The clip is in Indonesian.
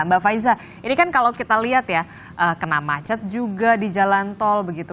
mbak faiza ini kan kalau kita lihat ya kena macet juga di jalan tol begitu